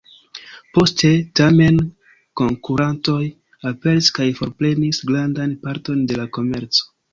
Poste, tamen, konkurantoj aperis kaj forprenis grandan parton de la komerco.